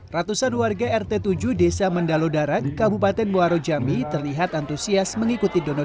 ratusan warga rt tujuh desa mendalo darat kabupaten muarojami terlihat antusias mengikuti donor